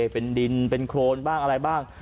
เป็นดินเป็นโครนบ้างอะไรบ้าง